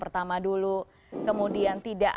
pertama dulu kemudian tidak